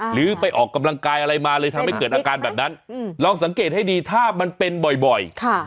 หรือไปออกกำลังกายอะไรมาเลยทำให้เกิดอาการแบบนั้นลองสังเกตให้ดีถ้ามันเป็นบ่อย